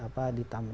di bandung di bandung